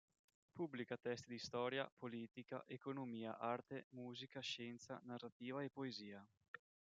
Pubblica testi di storia, politica, economia, arte, musica, scienza, narrativa e poesia.